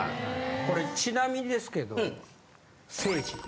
これちなみにですけどせいじ？